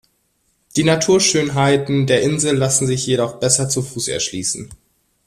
Die Naturschönheiten der Insel lassen sich jedoch besser zu Fuß erschließen.